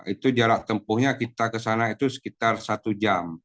itu jarak tempuhnya kita kesana itu sekitar satu jam